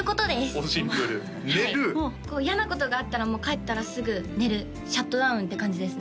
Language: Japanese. おおシンプル寝る嫌なことがあったらもう帰ったらすぐ寝るシャットダウンって感じですね